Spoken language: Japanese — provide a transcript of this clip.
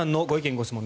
・ご質問